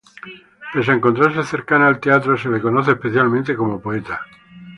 Pese a encontrarse cercano al teatro, se le conoce especialmente como poeta.